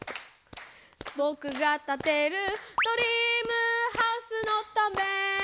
「ぼくがたてるドリームハウスのため」